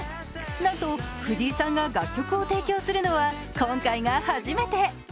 なんと、藤井さんが楽曲を提供するのは今回が初めて。